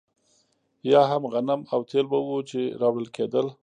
یا هم غنم او تېل به وو چې راوړل کېدل.